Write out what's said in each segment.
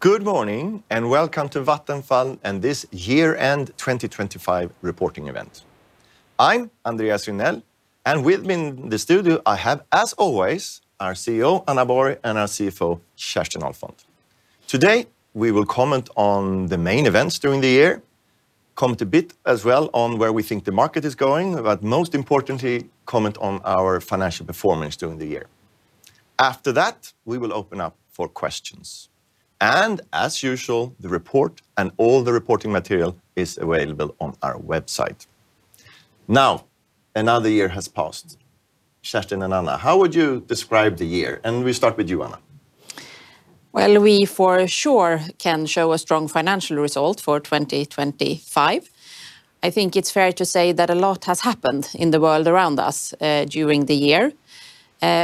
Good morning and welcome to Vattenfall and this year-end 2025 reporting event. I'm Andreas Regnell, and with me in the studio I have, as always, our CEO Anna Borg and our CFO Kerstin Ahlfont. Today we will comment on the main events during the year, comment a bit as well on where we think the market is going, but most importantly, comment on our financial performance during the year. After that, we will open up for questions. And as usual, the report and all the reporting material is available on our website. Now, another year has passed. Kerstin and Anna, how would you describe the year? And we start with you, Anna. Well, we for sure can show a strong financial result for 2025. I think it's fair to say that a lot has happened in the world around us during the year.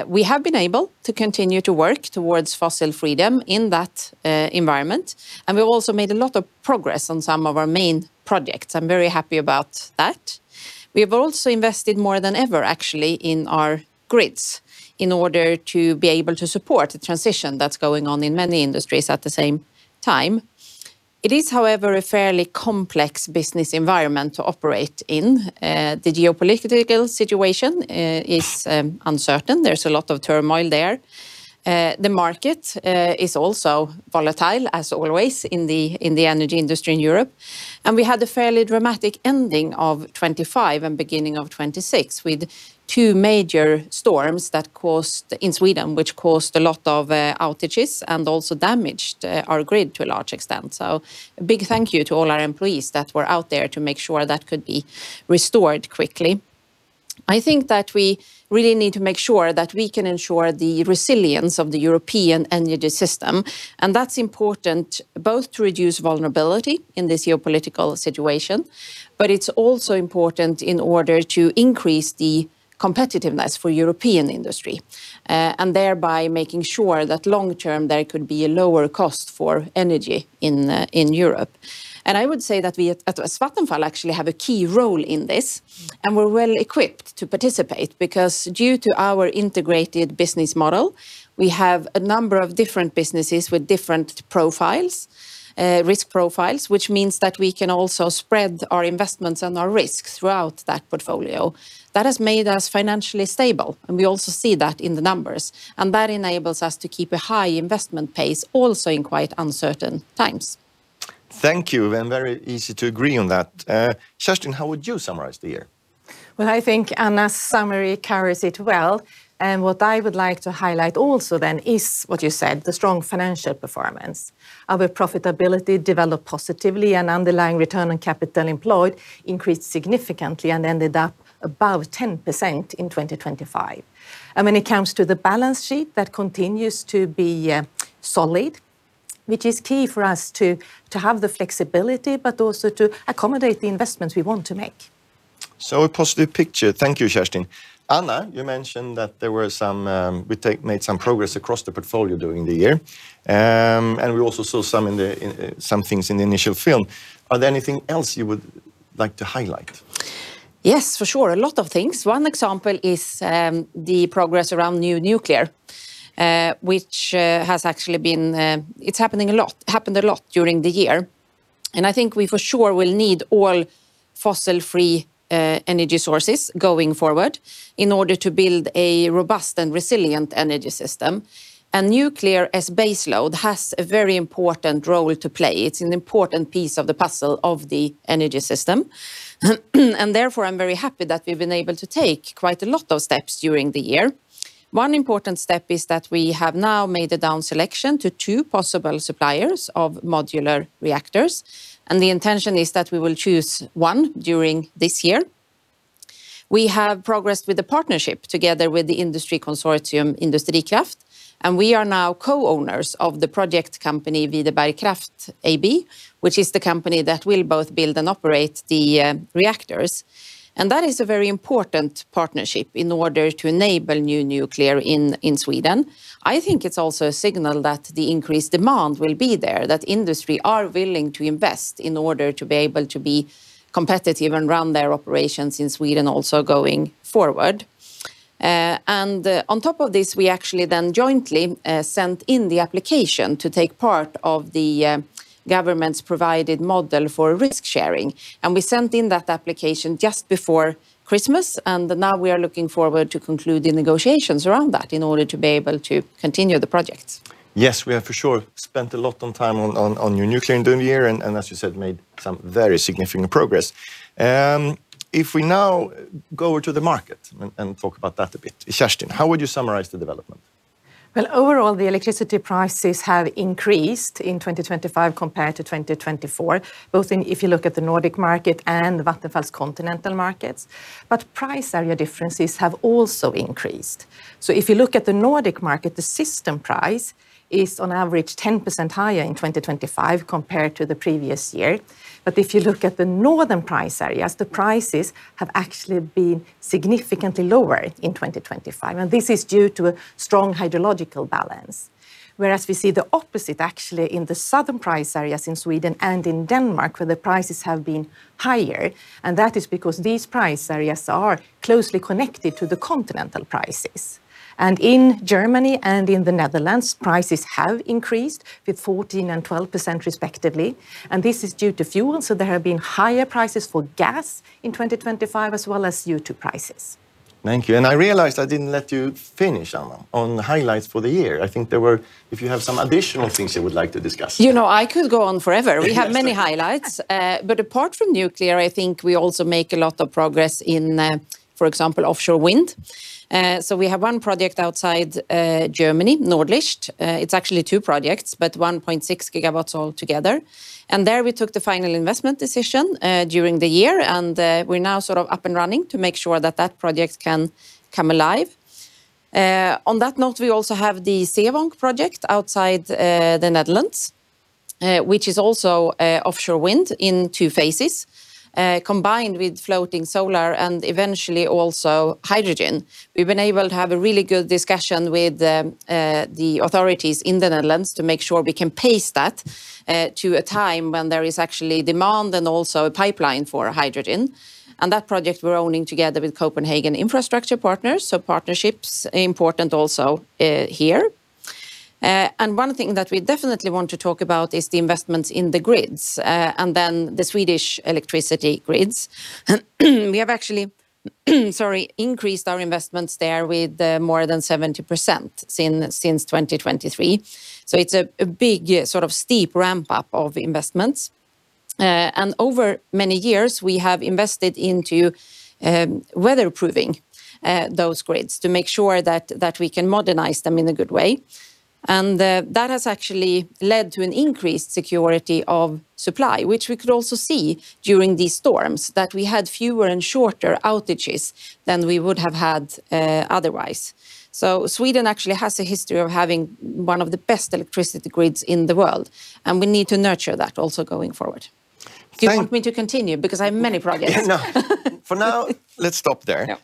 We have been able to continue to work towards fossil freedom in that environment, and we've also made a lot of progress on some of our main projects. I'm very happy about that. We have also invested more than ever, actually, in our grids in order to be able to support the transition that's going on in many industries at the same time. It is, however, a fairly complex business environment to operate in. The geopolitical situation is uncertain. There's a lot of turmoil there. The market is also volatile, as always, in the energy industry in Europe. We had a fairly dramatic ending of 2025 and beginning of 2026 with two major storms that caused in Sweden, which caused a lot of outages and also damaged our grid to a large extent. A big thank you to all our employees that were out there to make sure that could be restored quickly. I think that we really need to make sure that we can ensure the resilience of the European energy system. That's important both to reduce vulnerability in this geopolitical situation, but it's also important in order to increase the competitiveness for European industry, and thereby making sure that long-term there could be a lower cost for energy in Europe. I would say that we at Vattenfall actually have a key role in this, and we're well equipped to participate because due to our integrated business model, we have a number of different businesses with different profiles, risk profiles, which means that we can also spread our investments and our risks throughout that portfolio. That has made us financially stable, and we also see that in the numbers. That enables us to keep a high investment pace also in quite uncertain times. Thank you. Very easy to agree on that. Kerstin, how would you summarize the year? Well, I think Anna's summary carries it well. And what I would like to highlight also then is what you said, the strong financial performance. Our profitability developed positively, and underlying return on capital employed increased significantly and ended up above 10% in 2025. And when it comes to the balance sheet, that continues to be solid, which is key for us to have the flexibility but also to accommodate the investments we want to make. A positive picture. Thank you, Kerstin. Anna, you mentioned that we made some progress across the portfolio during the year, and we also saw some things in the initial film. Are there anything else you would like to highlight? Yes, for sure. A lot of things. One example is the progress around new nuclear, which has actually been happening a lot during the year. And I think we for sure will need all fossil-free energy sources going forward in order to build a robust and resilient energy system. And nuclear as baseload has a very important role to play. It's an important piece of the puzzle of the energy system. And therefore, I'm very happy that we've been able to take quite a lot of steps during the year. One important step is that we have now made a down selection to two possible suppliers of modular reactors. And the intention is that we will choose one during this year. We have progressed with the partnership together with the industry consortium Industrikraft, and we are now co-owners of the project company Vindkraft AB, which is the company that will both build and operate the reactors. That is a very important partnership in order to enable new nuclear in Sweden. I think it's also a signal that the increased demand will be there, that industry are willing to invest in order to be able to be competitive and run their operations in Sweden also going forward. On top of this, we actually then jointly sent in the application to take part of the government's provided model for risk sharing. We sent in that application just before Christmas, and now we are looking forward to conclude the negotiations around that in order to be able to continue the projects. Yes, we have for sure spent a lot of time on new nuclear during the year and, as you said, made some very significant progress. If we now go over to the market and talk about that a bit, Kerstin, how would you summarize the development? Well, overall, the electricity prices have increased in 2025 compared to 2024, both if you look at the Nordic market and Vattenfall's continental markets. But price area differences have also increased. So if you look at the Nordic market, the system price is on average 10% higher in 2025 compared to the previous year. But if you look at the northern price areas, the prices have actually been significantly lower in 2025. And this is due to a strong hydrological balance. Whereas we see the opposite, actually, in the southern price areas in Sweden and in Denmark, where the prices have been higher. And that is because these price areas are closely connected to the continental prices. And in Germany and in the Netherlands, prices have increased with 14% and 12%, respectively. And this is due to fuel. There have been higher prices for gas in 2025 as well as CO2 prices. Thank you. I realized I didn't let you finish, Anna, on highlights for the year. I think there were. If you have some additional things you would like to discuss. You know, I could go on forever. We have many highlights. But apart from nuclear, I think we also make a lot of progress in, for example, offshore wind. So we have 1 project outside Germany, Nordlicht. It's actually 2 projects, but 1.6 GW altogether. And there we took the final investment decision during the year, and we're now sort of up and running to make sure that that project can come alive. On that note, we also have the Zeevonk project outside the Netherlands, which is also offshore wind in 2 phases, combined with floating solar and eventually also hydrogen. We've been able to have a really good discussion with the authorities in the Netherlands to make sure we can pace that to a time when there is actually demand and also a pipeline for hydrogen. And that project we're owning together with Copenhagen Infrastructure Partners. Partnerships are important also here. One thing that we definitely want to talk about is the investments in the grids and then the Swedish electricity grids. We have actually, sorry, increased our investments there with more than 70% since 2023. So it's a big sort of steep ramp-up of investments. Over many years, we have invested into weather-proofing those grids to make sure that we can modernize them in a good way. That has actually led to an increased security of supply, which we could also see during these storms, that we had fewer and shorter outages than we would have had otherwise. Sweden actually has a history of having one of the best electricity grids in the world. We need to nurture that also going forward. Do you want me to continue? Because I have many projects. No. For now, let's stop there.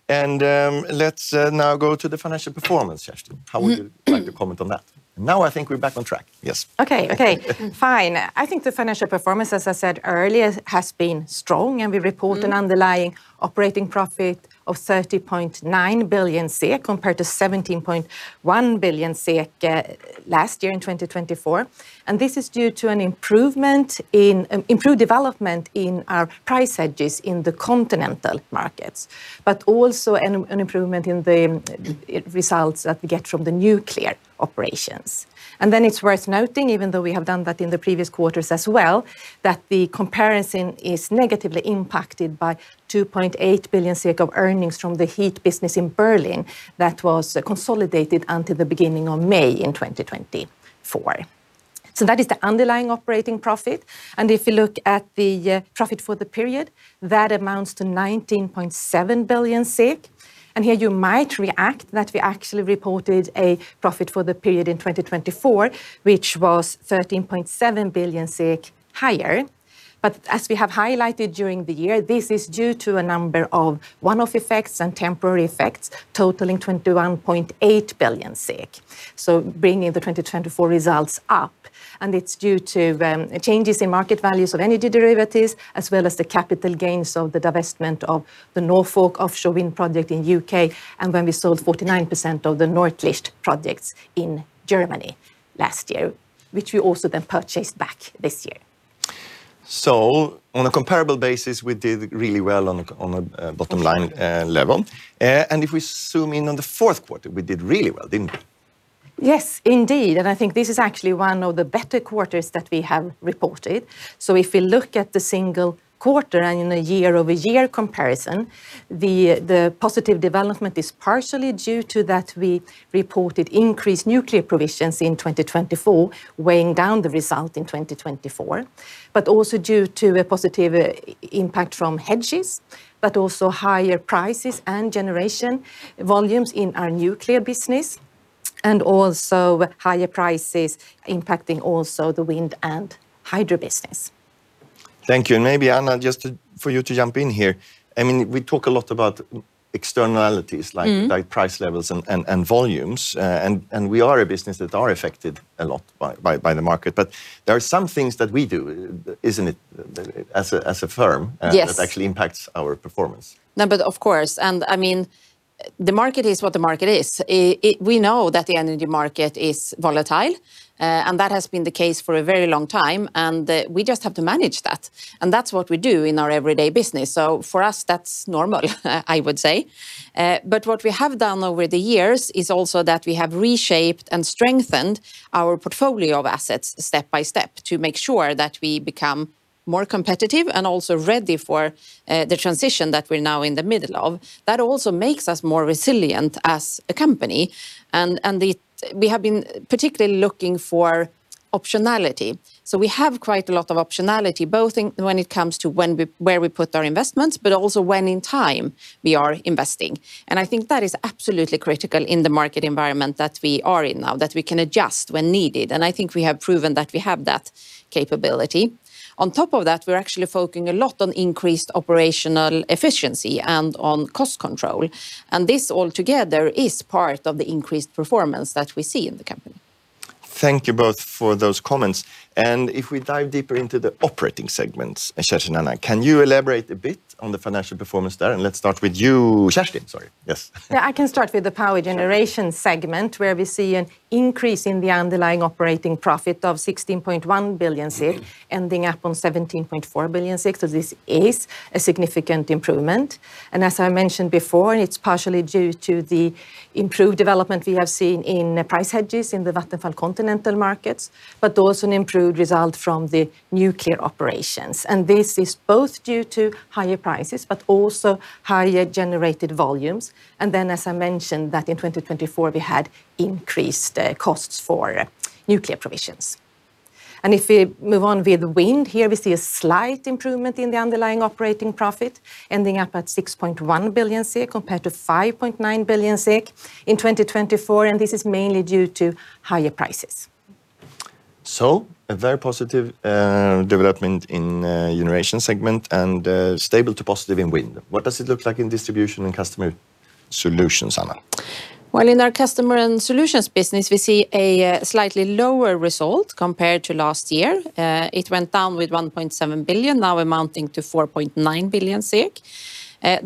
Let's now go to the financial performance, Kerstin. How would you like to comment on that? Now I think we're back on track. Yes. Okay, okay. Fine. I think the financial performance, as I said earlier, has been strong, and we report an underlying operating profit of 30.9 billion SEK compared to 17.1 billion SEK last year in 2024. This is due to an improvement in improved development in our price hedges in the continental markets, but also an improvement in the results that we get from the nuclear operations. Then it's worth noting, even though we have done that in the previous quarters as well, that the comparison is negatively impacted by 2.8 billion of earnings from the heat business in Berlin that was consolidated until the beginning of May in 2024. So that is the underlying operating profit. If you look at the profit for the period, that amounts to 19.7 billion. Here you might react that we actually reported a profit for the period in 2024, which was 13.7 billion SEK higher. But as we have highlighted during the year, this is due to a number of one-off effects and temporary effects, totaling 21.8 billion SEK, so bringing the 2024 results up. And it's due to changes in market values of energy derivatives as well as the capital gains of the investment of the Norfolk offshore wind project in the UK and when we sold 49% of the Nordlicht projects in Germany last year, which we also then purchased back this year. On a comparable basis, we did really well on a bottom-line level. If we zoom in on the fourth quarter, we did really well, didn't we? Yes, indeed. I think this is actually one of the better quarters that we have reported. If we look at the single quarter and in a year-over-year comparison, the positive development is partially due to that we reported increased nuclear provisions in 2024, weighing down the result in 2024, but also due to a positive impact from hedges, but also higher prices and generation volumes in our nuclear business and also higher prices impacting also the wind and hydro business. Thank you. Maybe, Anna, just for you to jump in here. I mean, we talk a lot about externalities like price levels and volumes. We are a business that is affected a lot by the market. There are some things that we do, isn't it, as a firm that actually impacts our performance? No, but of course. I mean, the market is what the market is. We know that the energy market is volatile. That has been the case for a very long time. We just have to manage that. That's what we do in our everyday business. So for us, that's normal, I would say. But what we have done over the years is also that we have reshaped and strengthened our portfolio of assets step by step to make sure that we become more competitive and also ready for the transition that we're now in the middle of. That also makes us more resilient as a company. We have been particularly looking for optionality. So we have quite a lot of optionality, both when it comes to where we put our investments, but also when in time we are investing. I think that is absolutely critical in the market environment that we are in now, that we can adjust when needed. I think we have proven that we have that capability. On top of that, we're actually focusing a lot on increased operational efficiency and on cost control. This altogether is part of the increased performance that we see in the company. Thank you both for those comments. If we dive deeper into the operating segments, Kerstin, Anna, can you elaborate a bit on the financial performance there? Let's start with you, Kerstin. Sorry. Yes. Yeah, I can start with the power generation segment, where we see an increase in the underlying operating profit of 16.1 billion, ending up on 17.4 billion. This is a significant improvement. As I mentioned before, it's partially due to the improved development we have seen in price hedges in the Vattenfall continental markets, but also an improved result from the nuclear operations. This is both due to higher prices but also higher generated volumes. Then, as I mentioned, that in 2024, we had increased costs for nuclear provisions. If we move on with wind, here we see a slight improvement in the underlying operating profit, ending up at 6.1 billion compared to 5.9 billion in 2024. This is mainly due to higher prices. So a very positive development in Generation segment and stable to positive in wind. What does it look like in Distribution and Customer Solutions, Anna? Well, in our customer and solutions business, we see a slightly lower result compared to last year. It went down with 1.7 billion, now amounting to 4.9 billion.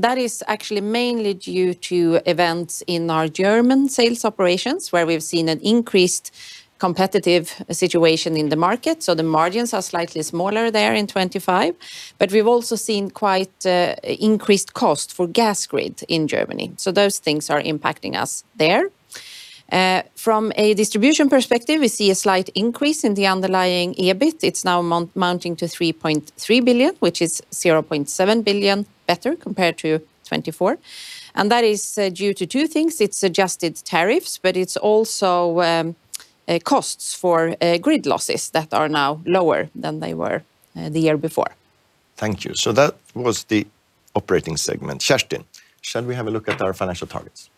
That is actually mainly due to events in our German sales operations, where we've seen an increased competitive situation in the market. So the margins are slightly smaller there in 2025. But we've also seen quite increased costs for gas grid in Germany. So those things are impacting us there. From a distribution perspective, we see a slight increase in the underlying EBIT. It's now mounting to 3.3 billion, which is 0.7 billion better compared to 2024. And that is due to two things. It's adjusted tariffs, but it's also costs for grid losses that are now lower than they were the year before. Thank you. That was the operating segment. Kerstin, shall we have a look at our financial targets?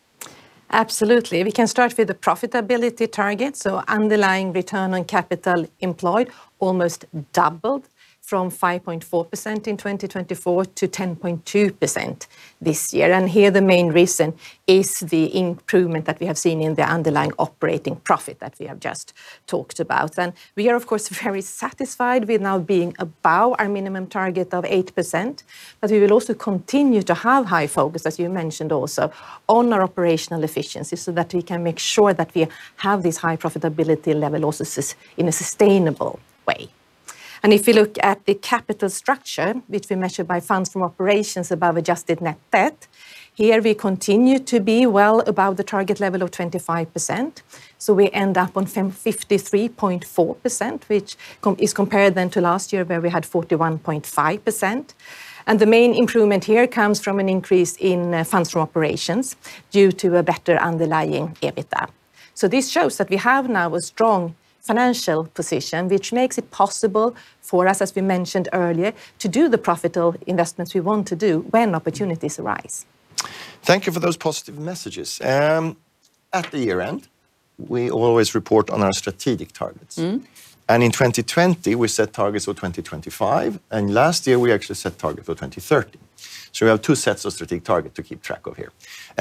Absolutely. We can start with the profitability target. Underlying return on capital employed almost doubled from 5.4% in 2024 to 10.2% this year. Here the main reason is the improvement that we have seen in the underlying operating profit that we have just talked about. We are, of course, very satisfied with now being above our minimum target of 8%. But we will also continue to have high focus, as you mentioned also, on our operational efficiency so that we can make sure that we have this high profitability level also in a sustainable way. If we look at the capital structure, which we measure by funds from operations above adjusted net debt, here we continue to be well above the target level of 25%. We end up on 53.4%, which is compared then to last year, where we had 41.5%. The main improvement here comes from an increase in funds from operations due to a better underlying EBITDA. This shows that we have now a strong financial position, which makes it possible for us, as we mentioned earlier, to do the profitable investments we want to do when opportunities arise. Thank you for those positive messages. At the year-end, we always report on our strategic targets. In 2020, we set targets for 2025. Last year, we actually set targets for 2030. We have two sets of strategic targets to keep track of here.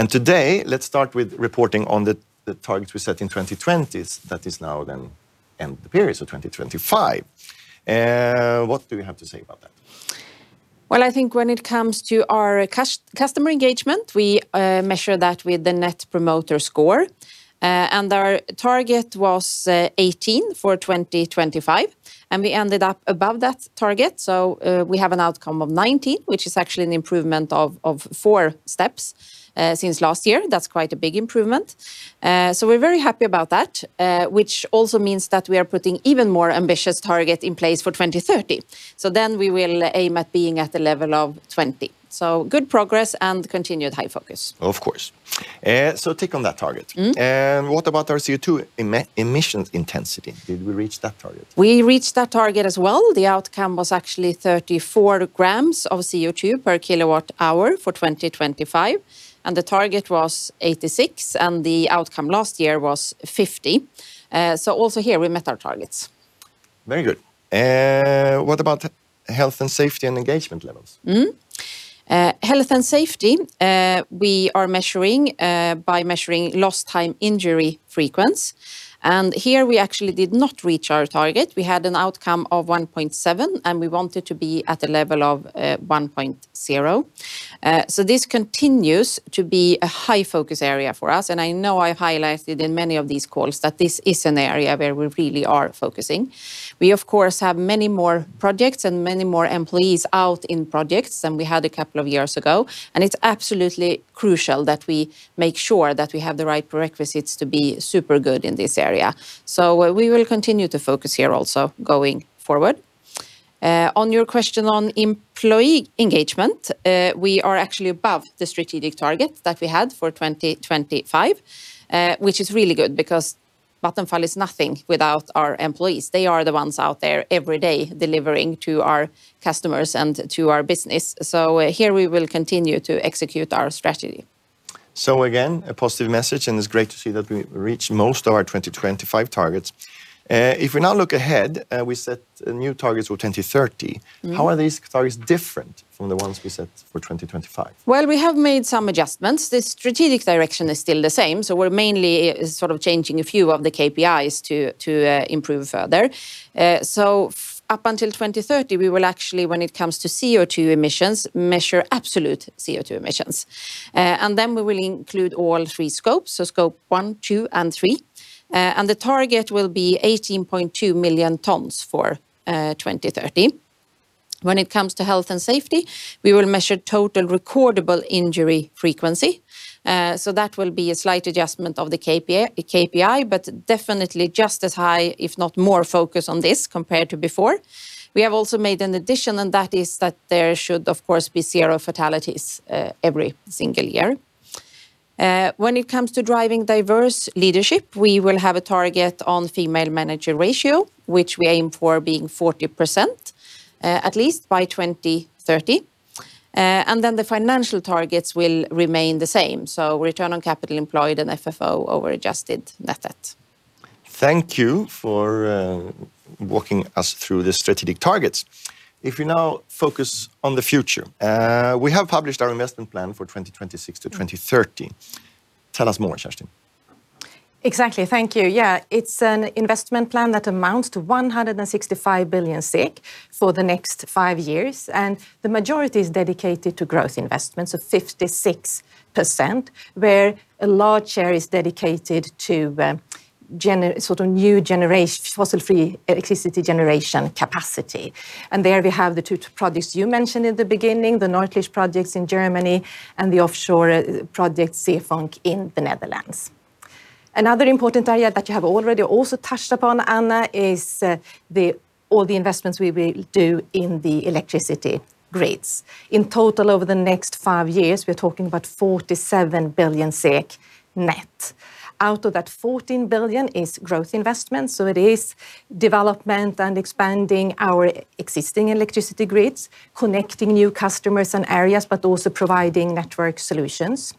Today, let's start with reporting on the targets we set in 2020 that is now then end the period, so 2025. What do we have to say about that? Well, I think when it comes to our customer engagement, we measure that with the Net Promoter Score. Our target was 18 for 2025. We ended up above that target. We have an outcome of 19, which is actually an improvement of four steps since last year. That's quite a big improvement. We're very happy about that, which also means that we are putting even more ambitious targets in place for 2030. Then we will aim at being at the level of 20. Good progress and continued high focus. Of course. So a tick on that target. What about our CO2 emissions intensity? Did we reach that target? We reached that target as well. The outcome was actually 34 grams of CO2 per kWh for 2025. And the target was 86, and the outcome last year was 50. So also here, we met our targets. Very good. What about health and safety and engagement levels? Health and safety, we are measuring by measuring lost time injury frequency. Here we actually did not reach our target. We had an outcome of 1.7, and we wanted to be at the level of 1.0. This continues to be a high focus area for us. I know I've highlighted in many of these calls that this is an area where we really are focusing. We, of course, have many more projects and many more employees out in projects than we had a couple of years ago. It's absolutely crucial that we make sure that we have the right prerequisites to be super good in this area. We will continue to focus here also going forward. On your question on employee engagement, we are actually above the strategic target that we had for 2025, which is really good because Vattenfall is nothing without our employees. They are the ones out there every day delivering to our customers and to our business. Here we will continue to execute our strategy. Again, a positive message. It's great to see that we reached most of our 2025 targets. If we now look ahead, we set new targets for 2030. How are these targets different from the ones we set for 2025? Well, we have made some adjustments. The strategic direction is still the same. So we're mainly sort of changing a few of the KPIs to improve further. So up until 2030, we will actually, when it comes to CO2 emissions, measure absolute CO2 emissions. And then we will include all three scopes, so scope 1, 2, and 3. And the target will be 18.2 million tons for 2030. When it comes to health and safety, we will measure total recordable injury frequency. So that will be a slight adjustment of the KPI, but definitely just as high, if not more focus on this compared to before. We have also made an addition, and that is that there should, of course, be zero fatalities every single year. When it comes to driving diverse leadership, we will have a target on female manager ratio, which we aim for being 40% at least by 2030. The financial targets will remain the same, so return on capital employed and FFO over adjusted net debt. Thank you for walking us through the strategic targets. If we now focus on the future, we have published our investment plan for 2026 to 2030. Tell us more, Kerstin. Exactly. Thank you. Yeah, it's an investment plan that amounts to 165 billion for the next five years. The majority is dedicated to growth investments, so 56%, where a large share is dedicated to sort of new fossil-free electricity generation capacity. There we have the two projects you mentioned in the beginning, the Nordlicht projects in Germany and the offshore project Zeevonk in the Netherlands. Another important area that you have already also touched upon, Anna, is all the investments we will do in the electricity grids. In total, over the next five years, we're talking about 47 billion SEK net. Out of that, 14 billion is growth investments. So it is development and expanding our existing electricity grids, connecting new customers and areas, but also providing network solutions.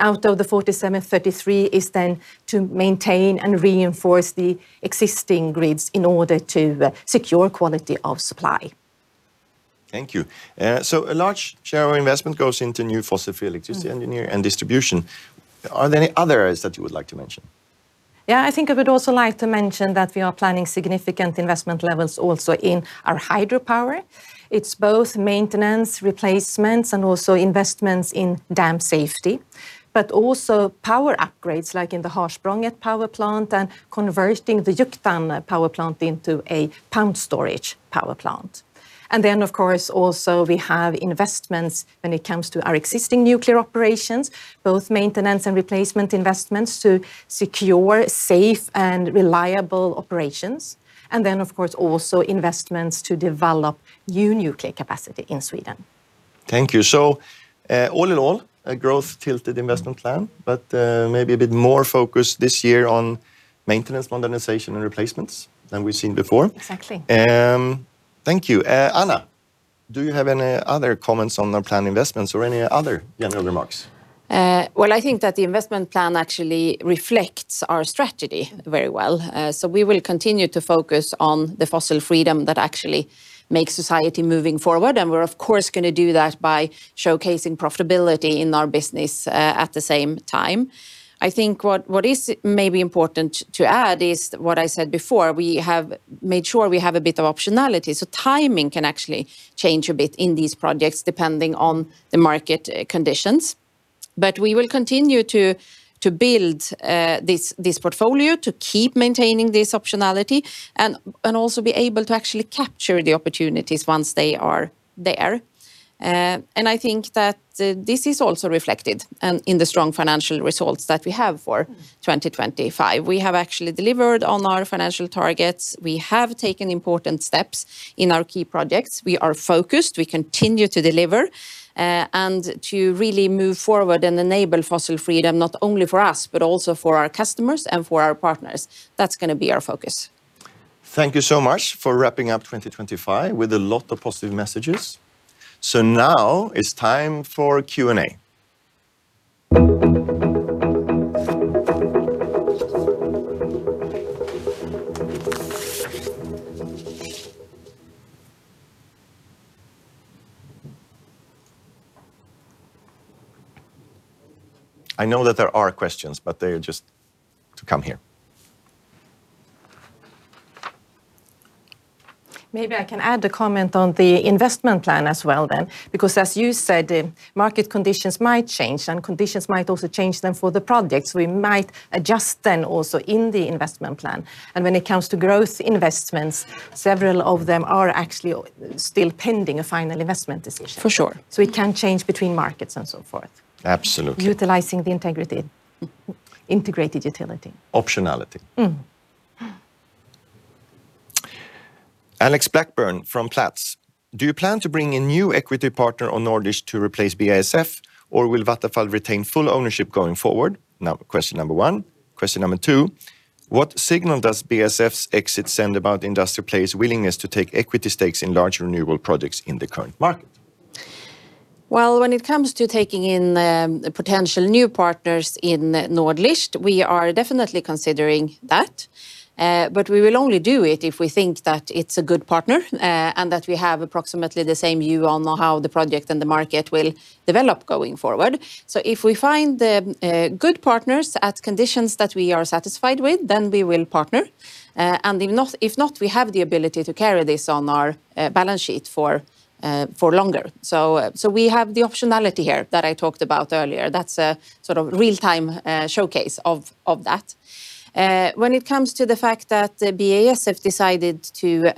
Out of the 47, 33 is then to maintain and reinforce the existing grids in order to secure quality of supply. Thank you. So a large share of our investment goes into new fossil-free electricity engineering and distribution. Are there any other areas that you would like to mention? Yeah, I think I would also like to mention that we are planning significant investment levels also in our hydropower. It's both maintenance, replacements, and also investments in dam safety, but also power upgrades, like in the Harsprånget power plant and converting the Juktan power plant into a pump storage power plant. And then, of course, also, we have investments when it comes to our existing nuclear operations, both maintenance and replacement investments to secure safe and reliable operations. And then, of course, also investments to develop new nuclear capacity in Sweden. Thank you. So all in all, a growth-tilted investment plan, but maybe a bit more focus this year on maintenance, modernization, and replacements than we've seen before. Exactly. Thank you. Anna, do you have any other comments on our plan investments or any other general remarks? Well, I think that the investment plan actually reflects our strategy very well. So we will continue to focus on the fossil freedom that actually makes society moving forward. And we're, of course, going to do that by showcasing profitability in our business at the same time. I think what is maybe important to add is what I said before. We have made sure we have a bit of optionality. So timing can actually change a bit in these projects depending on the market conditions. But we will continue to build this portfolio to keep maintaining this optionality and also be able to actually capture the opportunities once they are there. And I think that this is also reflected in the strong financial results that we have for 2025. We have actually delivered on our financial targets. We have taken important steps in our key projects. We are focused. We continue to deliver and to really move forward and enable fossil freedom not only for us but also for our customers and for our partners. That's going to be our focus. Thank you so much for wrapping up 2025 with a lot of positive messages. Now it's time for Q&A. I know that there are questions, but they are just to come here. Maybe I can add a comment on the investment plan as well then because, as you said, the market conditions might change, and conditions might also change then for the projects. We might adjust then also in the investment plan. When it comes to growth investments, several of them are actually still pending a final investment decision. For sure. It can change between markets and so forth. Absolutely. Utilizing the integrated utility. Optionality. Alex Blackburne from Platts, do you plan to bring a new equity partner on Nordlicht to replace BASF, or will Vattenfall retain full ownership going forward? Question number one. Question number two, what signal does BASF's exit send about industrial players' willingness to take equity stakes in large renewable projects in the current market? Well, when it comes to taking in potential new partners in Nordlicht, we are definitely considering that. But we will only do it if we think that it's a good partner and that we have approximately the same view on how the project and the market will develop going forward. So if we find good partners at conditions that we are satisfied with, then we will partner. And if not, we have the ability to carry this on our balance sheet for longer. So we have the optionality here that I talked about earlier. That's a sort of real-time showcase of that. When it comes to the fact that BASF decided to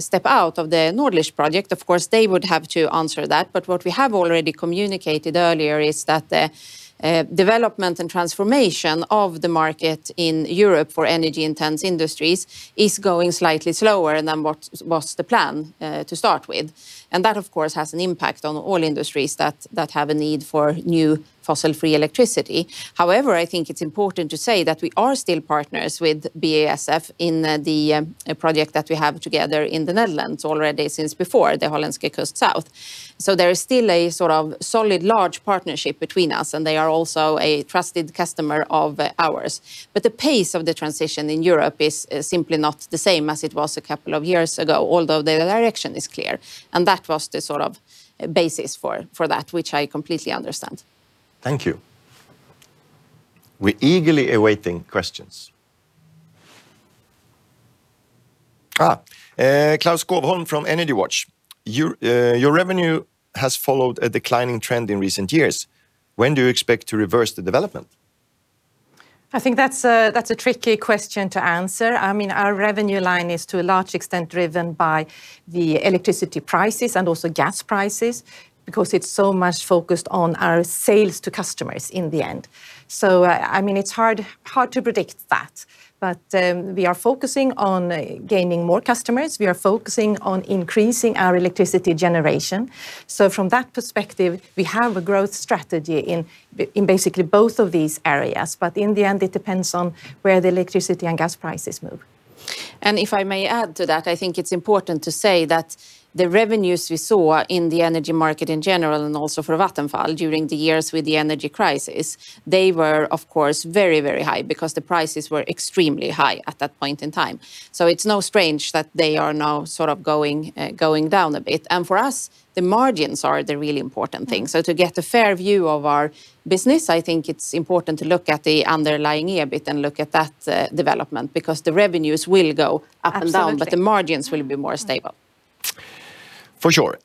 step out of the Nordlicht project, of course, they would have to answer that. But what we have already communicated earlier is that the development and transformation of the market in Europe for energy-intensive industries is going slightly slower than what was the plan to start with. And that, of course, has an impact on all industries that have a need for new fossil-free electricity. However, I think it's important to say that we are still partners with BASF in the project that we have together in the Netherlands already since before, the Hollandse Kust South. So there is still a sort of solid large partnership between us, and they are also a trusted customer of ours. But the pace of the transition in Europe is simply not the same as it was a couple of years ago, although the direction is clear. And that was the sort of basis for that, which I completely understand. Thank you. We're eagerly awaiting questions. Claus Skovholm from EnergyWatch, your revenue has followed a declining trend in recent years. When do you expect to reverse the development? I think that's a tricky question to answer. I mean, our revenue line is to a large extent driven by the electricity prices and also gas prices because it's so much focused on our sales to customers in the end. So I mean, it's hard to predict that. But we are focusing on gaining more customers. We are focusing on increasing our electricity generation. So from that perspective, we have a growth strategy in basically both of these areas. But in the end, it depends on where the electricity and gas prices move. And if I may add to that, I think it's important to say that the revenues we saw in the energy market in general and also for Vattenfall during the years with the energy crisis, they were, of course, very, very high because the prices were extremely high at that point in time. So it's not strange that they are now sort of going down a bit. And for us, the margins are the really important thing. So to get a fair view of our business, I think it's important to look at the underlying EBIT and look at that development because the revenues will go up and down, but the margins will be more stable. For sure.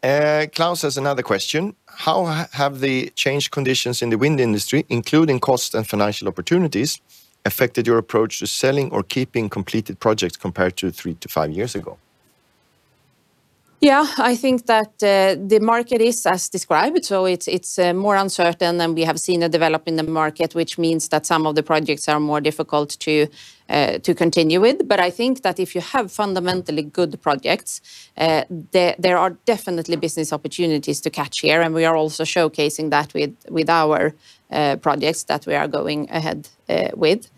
Klaus has another question. How have the changed conditions in the wind industry, including cost and financial opportunities, affected your approach to selling or keeping completed projects compared to 3-5 years ago? Yeah, I think that the market is as described. So it's more uncertain, and we have seen it develop in the market, which means that some of the projects are more difficult to continue with. But I think that if you have fundamentally good projects, there are definitely business opportunities to catch here. And we are also showcasing that with our projects that we are going ahead with.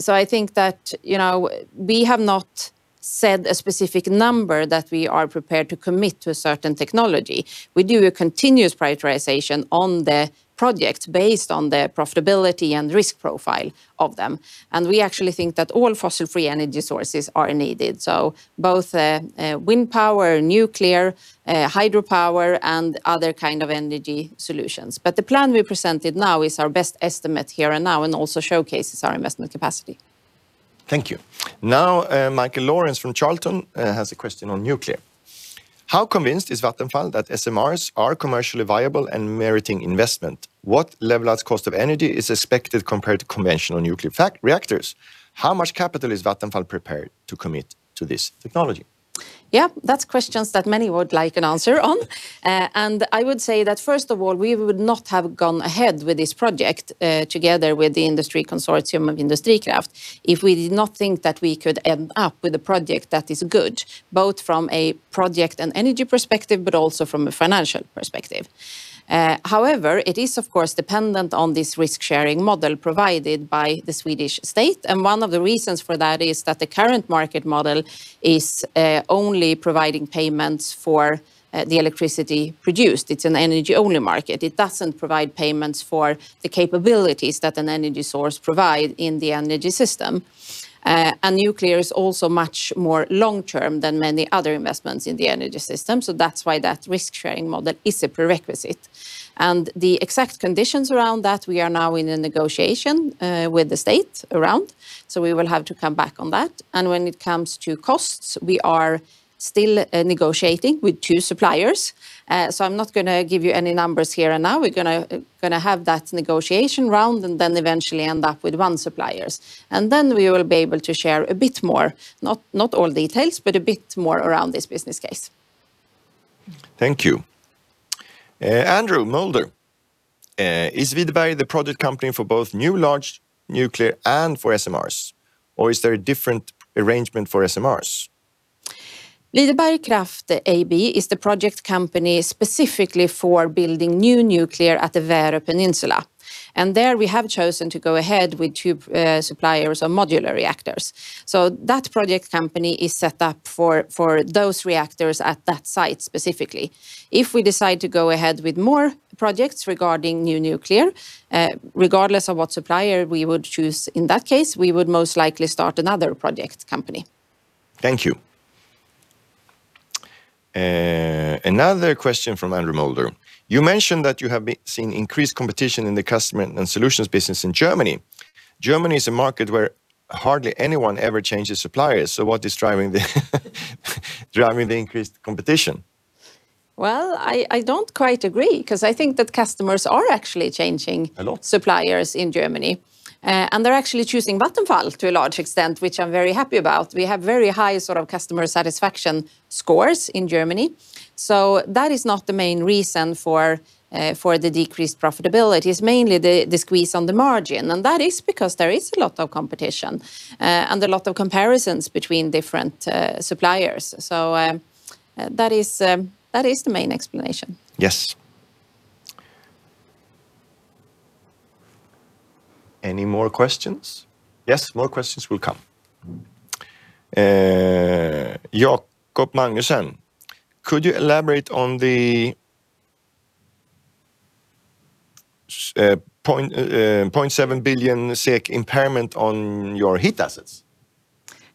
So I think that we have not said a specific number that we are prepared to commit to a certain technology. We do a continuous prioritization on the projects based on the profitability and risk profile of them. And we actually think that all fossil-free energy sources are needed, so both wind power, nuclear, hydropower, and other kinds of energy solutions. But the plan we presented now is our best estimate here and now and also showcases our investment capacity. Thank you. Now, Michael Lawrence from Charlton has a question on nuclear. How convinced is Vattenfall that SMRs are commercially viable and meriting investment? What levelized cost of energy is expected compared to conventional nuclear reactors? How much capital is Vattenfall prepared to commit to this technology? Yeah, that's questions that many would like an answer on. And I would say that, first of all, we would not have gone ahead with this project together with the industry consortium of Industrikraft if we did not think that we could end up with a project that is good, both from a project and energy perspective but also from a financial perspective. However, it is, of course, dependent on this risk-sharing model provided by the Swedish state. And one of the reasons for that is that the current market model is only providing payments for the electricity produced. It's an energy-only market. It doesn't provide payments for the capabilities that an energy source provides in the energy system. And nuclear is also much more long-term than many other investments in the energy system. So that's why that risk-sharing model is a prerequisite. The exact conditions around that, we are now in a negotiation with the state around. We will have to come back on that. When it comes to costs, we are still negotiating with two suppliers. I'm not going to give you any numbers here and now. We're going to have that negotiation round and then eventually end up with one supplier. Then we will be able to share a bit more, not all details, but a bit more around this business case. Thank you. Andrew Moulder, is Videberg the project company for both new large nuclear and for SMRs, or is there a different arrangement for SMRs? Videberg Kraft AB is the project company specifically for building new nuclear at the Värö peninsula. There we have chosen to go ahead with 2 suppliers of modular reactors. That project company is set up for those reactors at that site specifically. If we decide to go ahead with more projects regarding new nuclear, regardless of what supplier we would choose in that case, we would most likely start another project company. Thank you. Another question from Andrew Moulder. You mentioned that you have seen increased competition in the customer and solutions business in Germany. Germany is a market where hardly anyone ever changes suppliers. What is driving the increased competition? Well, I don't quite agree because I think that customers are actually changing suppliers in Germany. And they're actually choosing Vattenfall to a large extent, which I'm very happy about. We have very high sort of customer satisfaction scores in Germany. So that is not the main reason for the decreased profitability. It's mainly the squeeze on the margin. And that is because there is a lot of competition and a lot of comparisons between different suppliers. So that is the main explanation. Yes. Any more questions? Yes, more questions will come. Jacob Magnussen, could you elaborate on the 0.7 billion SEK impairment on your heat assets?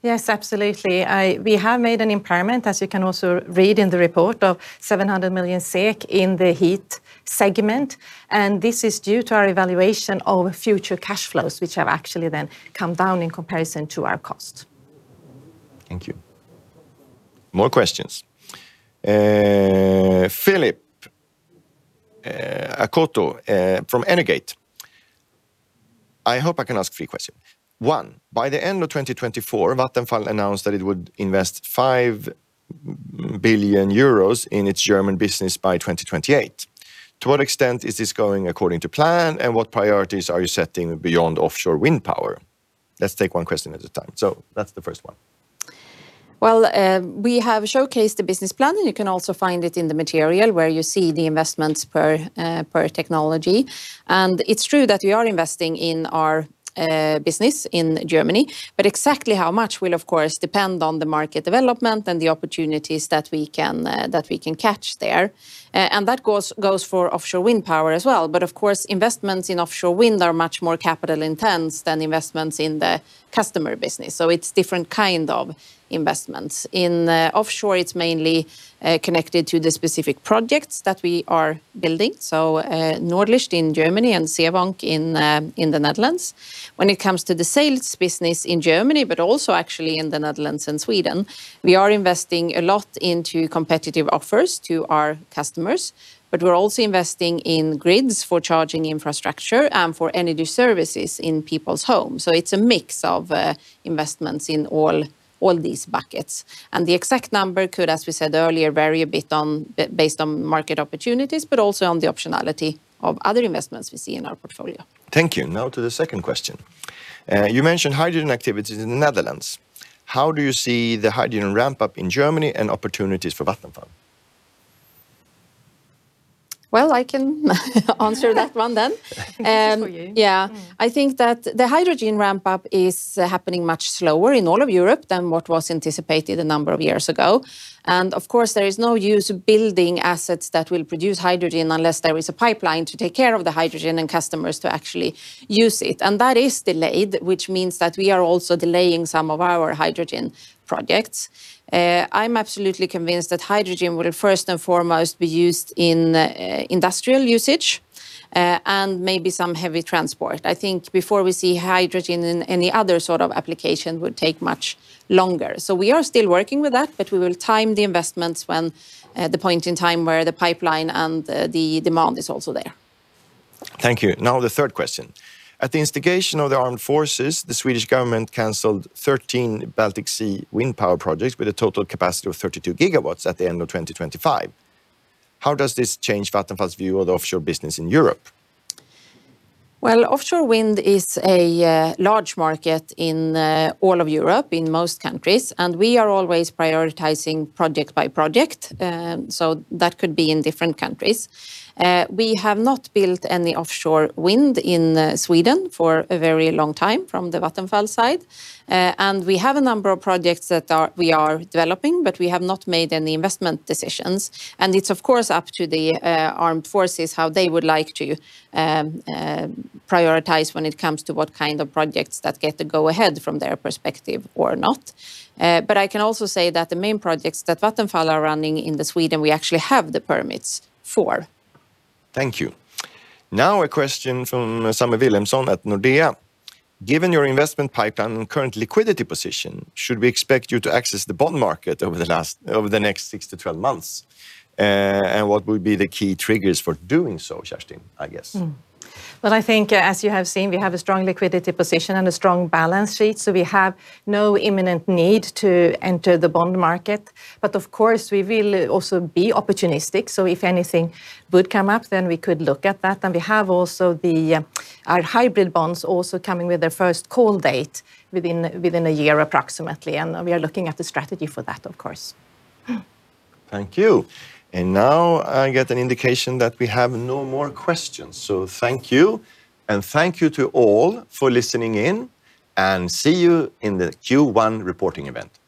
Yes, absolutely. We have made an impairment, as you can also read in the report, of 700 million SEK in the heat segment. This is due to our evaluation of future cash flows, which have actually then come down in comparison to our cost. Thank you. More questions. Philip Akoto from Energate, I hope I can ask three questions. One, by the end of 2024, Vattenfall announced that it would invest 5 billion euros in its German business by 2028. To what extent is this going according to plan, and what priorities are you setting beyond offshore wind power? Let's take one question at a time. So that's the first one. Well, we have showcased the business plan, and you can also find it in the material where you see the investments per technology. It's true that we are investing in our business in Germany. Exactly how much will, of course, depend on the market development and the opportunities that we can catch there. That goes for offshore wind power as well. Of course, investments in offshore wind are much more capital-intense than investments in the customer business. It's a different kind of investment. In offshore, it's mainly connected to the specific projects that we are building, so Nordlicht in Germany and Zeevonk in the Netherlands. When it comes to the sales business in Germany but also actually in the Netherlands and Sweden, we are investing a lot into competitive offers to our customers. We're also investing in grids for charging infrastructure and for energy services in people's homes. It's a mix of investments in all these buckets. The exact number could, as we said earlier, vary a bit based on market opportunities but also on the optionality of other investments we see in our portfolio. Thank you. Now to the second question. You mentioned hydrogen activities in the Netherlands. How do you see the hydrogen ramp-up in Germany and opportunities for Vattenfall? Well, I can answer that one then. Yeah, I think that the hydrogen ramp-up is happening much slower in all of Europe than what was anticipated a number of years ago. And of course, there is no use of building assets that will produce hydrogen unless there is a pipeline to take care of the hydrogen and customers to actually use it. And that is delayed, which means that we are also delaying some of our hydrogen projects. I'm absolutely convinced that hydrogen will first and foremost be used in industrial usage and maybe some heavy transport. I think before we see hydrogen in any other sort of application, it would take much longer. So we are still working with that, but we will time the investments when the point in time where the pipeline and the demand is also there. Thank you. Now the third question. At the instigation of the armed forces, the Swedish government canceled 13 Baltic Sea wind power projects with a total capacity of 32 GW at the end of 2025. How does this change Vattenfall's view of the offshore business in Europe? Well, offshore wind is a large market in all of Europe, in most countries. We are always prioritizing project by project. That could be in different countries. We have not built any offshore wind in Sweden for a very long time from the Vattenfall side. We have a number of projects that we are developing, but we have not made any investment decisions. It's, of course, up to the armed forces how they would like to prioritize when it comes to what kind of projects that get the go-ahead from their perspective or not. I can also say that the main projects that Vattenfall are running in Sweden, we actually have the permits for. Thank you. Now a question from Samu Wilhelmsson at Nordea. Given your investment pipeline and current liquidity position, should we expect you to access the bond market over the next 6-12 months? And what would be the key triggers for doing so, Kerstin, I guess? Well, I think as you have seen, we have a strong liquidity position and a strong balance sheet. So we have no imminent need to enter the bond market. But of course, we will also be opportunistic. So if anything would come up, then we could look at that. And we have also our hybrid bonds also coming with their first call date within a year approximately. And we are looking at the strategy for that, of course. Thank you. Now I get an indication that we have no more questions. Thank you. Thank you to all for listening in. See you in the Q1 reporting event. Thank you.